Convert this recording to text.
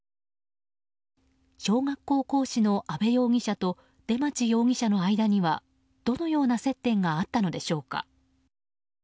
小学校講師の安部容疑者と出町容疑者の間にはどのような接点があったのでしょうか。